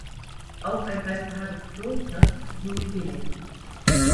Auch ein Altar des Klosters ist nun in Belecke.